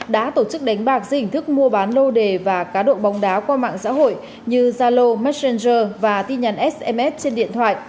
đã tổ chức đánh bạc dưới hình thức mua bán lô đề và cá độ bóng đá qua mạng xã hội như zalo messenger và tin nhắn sms trên điện thoại